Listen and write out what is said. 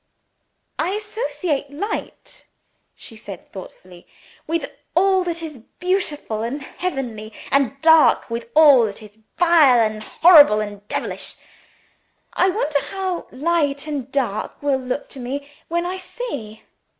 "I associate light," she said thoughtfully, "with all that is beautiful and heavenly and dark with all that is vile and horrible and devilish. I wonder how light and dark will look to me when I see?"